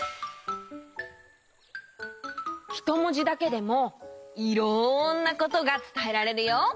ひともじだけでもいろんなことがつたえられるよ。